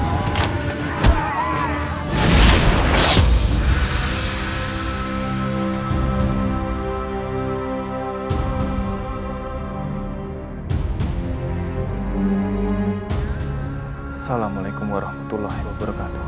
assalamualaikum warahmatullahi wabarakatuh